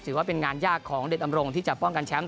ถือว่าเป็นงานยากของเด็ดอำรงที่จะป้องกันแชมป์